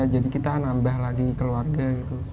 jadi kita nambah lagi keluarga gitu